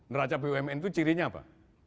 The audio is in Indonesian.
neraca bumn itu cirinya apa